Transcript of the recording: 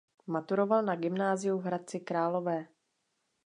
Maturoval na gymnáziu v Hradci Králové.